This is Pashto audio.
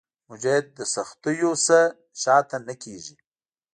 مجاهد د سختیو نه شاته نه کېږي.